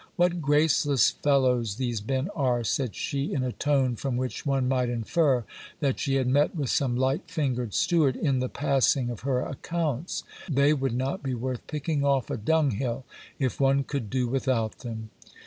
What graceless fellows these men are! said she in a tone from which one might infer that she had met with some light fingered steward in the passing of her accounts. They would not be worth picking off a dunghill, if one could do without them